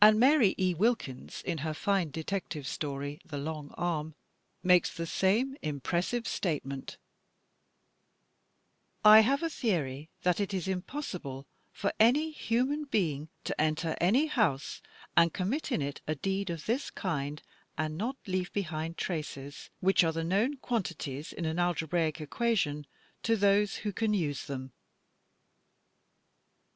And Mary E. Wilkins in her fine detective story, "The Long Arm," makes the same impressive statement: "I have a theory that it is impossible for any human being to enter any house, and commit in it a deed of this kind, and not leave behind traces which are the known quantities in an algebraic equa tion to those who can use them."